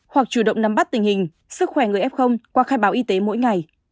hoặc chủ động nắm bắt tình hình sức khỏe người f qua khai báo y tế mỗi ngày